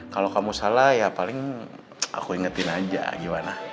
kalau kamu salah ya paling aku ingetin aja gimana